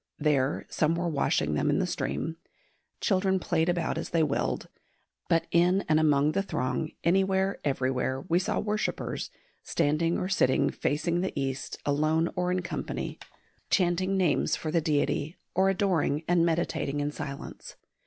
There some were washing them in the stream. Children played about as they willed. But in and among the throng, anywhere, everywhere, we saw worshippers, standing or sitting facing the east, alone or in company, chanting names for the deity, or adoring and meditating in silence.